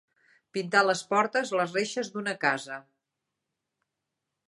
Pintar les portes, les reixes, d'una casa.